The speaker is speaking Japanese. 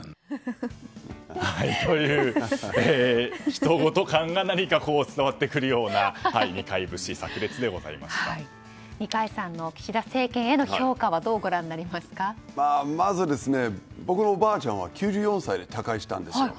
ひとごと感が伝わってくるような二階さんの岸田政権への評価はまず、僕のおばあちゃんは９４歳で他界したんですよ。